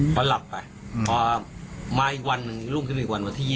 พอหลับไปพอมาอีกวันลุ่มขึ้นอีกวันวันที่๒๔อ่ะ